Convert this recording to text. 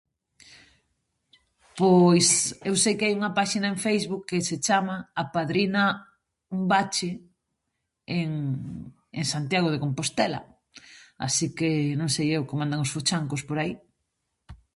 "Pois eu sei que hai unha páxina en Facebook que se chama ""Apadrina un bache en en Santiago de Compostela"", así que non sei eu como andan os fochancos por aí."